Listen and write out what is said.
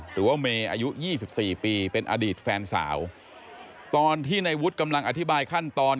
หรือว่าเมย์อายุ๒๔ปีเป็นอดีตแฟนสาวตอนที่ในวุฒิกำลังอธิบายขั้นตอน